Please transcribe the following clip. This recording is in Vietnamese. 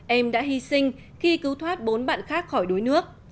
em đã hy sinh khi cứu thoát bốn bạn khác khỏi đuối nước